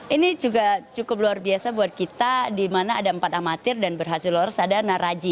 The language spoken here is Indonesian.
ini juga cukup luar biasa buat kita di mana ada empat amatir dan berhasil lolos ada naraji